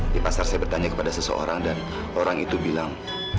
di pasar saya bertanya kepada seseorang dan orang itu bilang